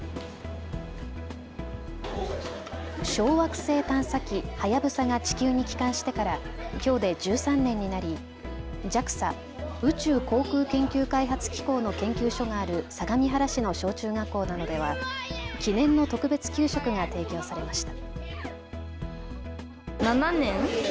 小惑星探査機はやぶさが地球に帰還してからきょうで１３年になりＪＡＸＡ・宇宙航空研究開発機構の研究所がある相模原市の小中学校などでは記念の特別給食が提供されました。